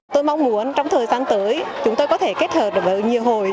tôi mong muốn trong thời gian tới chúng tôi có thể kết hợp được với nhiều hồi